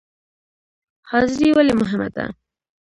حاضري ولې مهمه ده؟